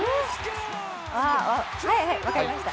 あ、はいはい、分かりました。